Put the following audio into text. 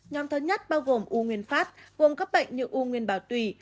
nhóm thứ nhất bao gồm u nguyên phát gồm các bệnh như u nguyên bảo tùy